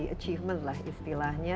achievement lah istilahnya